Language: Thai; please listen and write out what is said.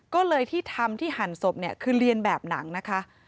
ก็เลยที่ทำที่หั่นศพเนี่ยคือเรียนแบบหนังนะคะ